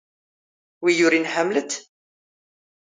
ⵡⵉ ⵢⵓⵔⵉⵏ ⵀⴰⵎⵍⵜ?